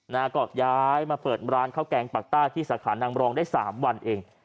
นะฮะก็ย้ายมาเปิดร้านข้าวแกงปากใต้ที่สาขานางรองได้สามวันเอง